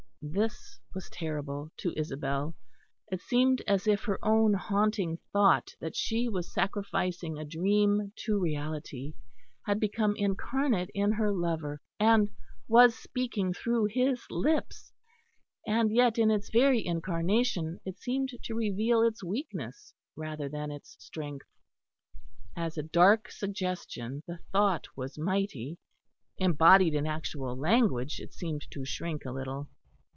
This was terrible to Isabel. It seemed as if her own haunting thought that she was sacrificing a dream to reality had become incarnate in her lover and was speaking through his lips. And yet in its very incarnation, it seemed to reveal its weakness rather than its strength. As a dark suggestion the thought was mighty; embodied in actual language it seemed to shrink a little.